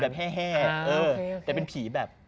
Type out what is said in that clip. ไม่ได้เป็นผีแฮ่แต่เป็นผีแบบ